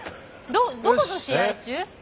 どどこと試合中？